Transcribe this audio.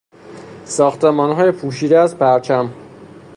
ساختمانهای پوشیده از پرچم